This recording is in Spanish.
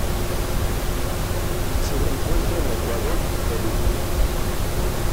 Se le encuentra en Ecuador y Perú.